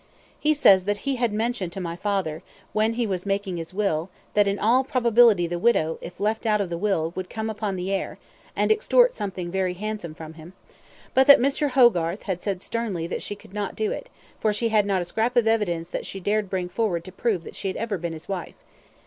He says that he had mentioned to my father, when he was making his will, that in all probability the widow, if left out of the will, would come upon the heir, and extort something very handsome from him; but that Mr. Hogarth had said sternly that she could not do it, for she had not a scrap of evidence that she dared bring forward to prove that she had ever been his wife.